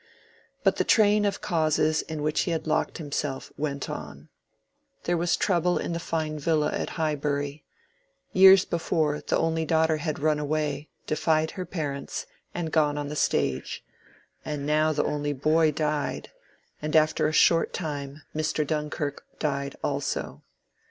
But the train of causes in which he had locked himself went on. There was trouble in the fine villa at Highbury. Years before, the only daughter had run away, defied her parents, and gone on the stage; and now the only boy died, and after a short time Mr. Dunkirk died also.